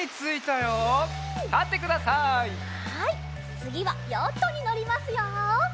つぎはヨットにのりますよ。